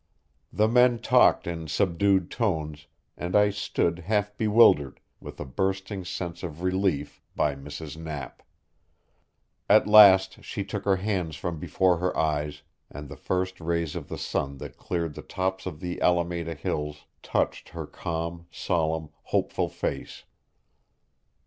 The men talked in subdued tones, and I stood half bewildered, with a bursting sense of relief, by Mrs. Knapp. At last she took her hands from before her eyes, and the first rays of the sun that cleared the tops of the Alameda Hills touched her calm, solemn, hopeful face.